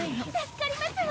助かりますわ。